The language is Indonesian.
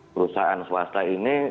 perusahaan swasta ini